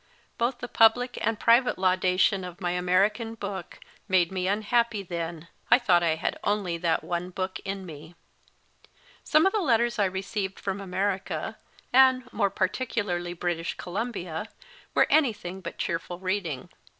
Both the public and private laudation of my American book made me unhappy then. I thought I had only that one book in me. Some of the letters I received from America, and, more particularly, British Columbia, were anything but cheerful reading.